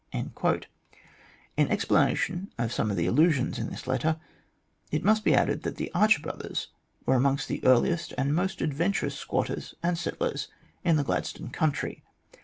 In explanation of some allusions in this letter, it may be added that the Archer Brothers were amongst the earliest and most adventurous squatters and settlers in the Gladstone country.